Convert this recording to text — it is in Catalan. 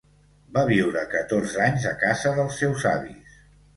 Va viure catorze anys a casa dels seus avis.